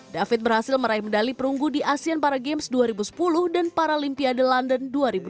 david berhasil meraih medali perunggu di asean para games dua ribu sepuluh dan paralimpiade london dua ribu dua belas